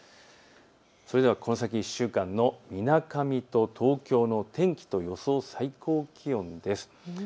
それではこの先１週間のみなかみと東京の天気と予想最高気温です。